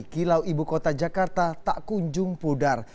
kilau ibu kota jakarta tak kunjung pudar